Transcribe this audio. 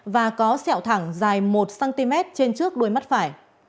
và có xẹo thẳng dài một cm trên trước đôi mắt phải